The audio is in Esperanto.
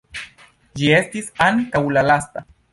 Ĝi estis ankaŭ la lasta.